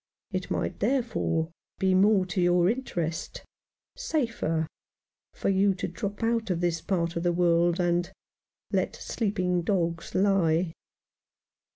It might there fore be more to your interest— safer — for you to drop out of this part of the world, and — let sleep ing dogs lie."